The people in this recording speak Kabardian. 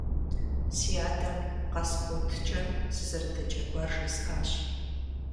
Си адэм Къасбот кӀэн сызэрыдэджэгуар жесӀащ.